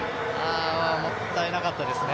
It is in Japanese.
もったいなかったですね